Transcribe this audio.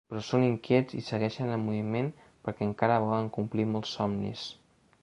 Però són inquiets i segueixen en moviment, perquè encara volen complir molts somnis.